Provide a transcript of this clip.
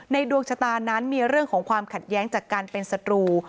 ดวงชะตานั้นมีเรื่องของความขัดแย้งจากการเป็นศัตรู